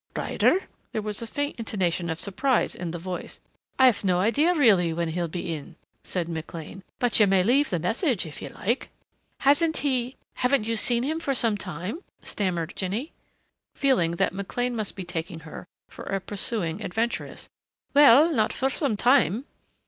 "Ryder?" There was a faint intonation of surprise in the voice. "I've no idea really when he'll be in," said McLean, "but you may leave the message if you like." "Hasn't he haven't you seen him for some time?" stammered Jinny, feeling that McLean must be taking her for a pursuing adventuress. "Well not for some time."